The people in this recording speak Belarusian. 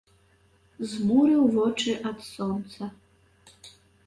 Жмурыў вочы ад сонца.